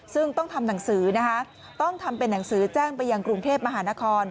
ซึ่งต้องทำหนังสือนะคะต้องทำเป็นหนังสือแจ้งไปยังกรุงเทพมหานคร